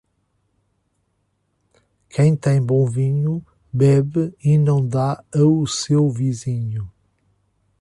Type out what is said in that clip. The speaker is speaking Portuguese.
Quem tem bom vinho, bebe e não dá ao seu vizinho.